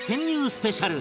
スペシャル